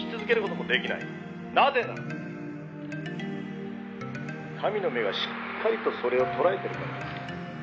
「なぜなら神の目がしっかりとそれを捉えているからです」